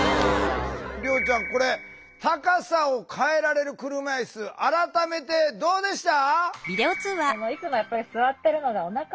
涼ちゃんこれ高さを変えられる車いす改めてどうでした？